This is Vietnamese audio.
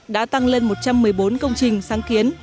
đã tăng lên một trăm một mươi bốn công trình sáng kiến